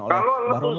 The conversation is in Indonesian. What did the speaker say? kalau letusan ya